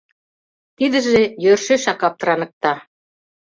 Тидыже йӧршешак аптыраныкта.